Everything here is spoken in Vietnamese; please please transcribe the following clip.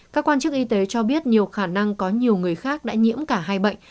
các quan chức y tế cho biết nhiều khả năng có nhiều người khác đã nhiễm cả hai bệnh